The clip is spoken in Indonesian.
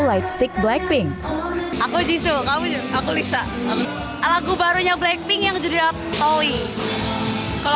white stick blackpink aku jisoo kamu aku lisa aku lagu barunya blackpink yang judul holy kalau